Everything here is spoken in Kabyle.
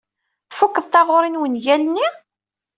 Tfukeḍ taɣuri n wungal-nni?